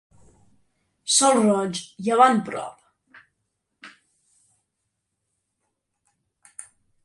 Sol roig, llevant prop.